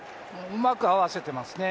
うまく合わせてますね。